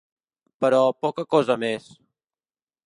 Però poca cosa més.